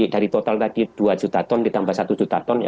dari total tadi dua juta ton ditambah satu juta ton